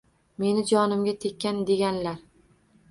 Meni jonimga tekkan, derkanlar.